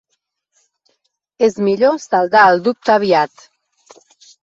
És millor saldar el dubte aviat.